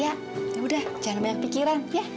yaudah jangan banyak pikiran ya